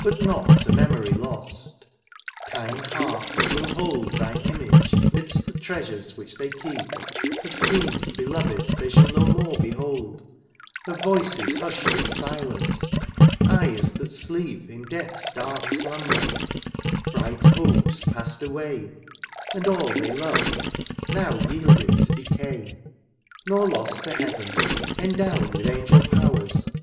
1 79 But not to memory lost ;— ^kind hearts will hold Thme image 'midst the treasures which they keep Of scenes beloved they shall no more behold — Of voices hushed in silence — eyes that sleep In death's dark slumber — ^bright hopes passed away — And all they loved, now yielded to decay. Nor lost to heaven ;— endowed with angel powers.